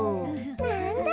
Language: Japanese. なんだ。